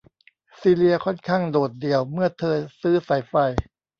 ซีเลียค่อนข้างโดดเดี่ยวเมื่อเธอซื้อสายไฟ